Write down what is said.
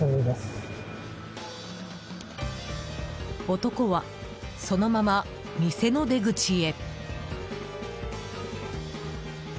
男は、そのまま店の出口へ。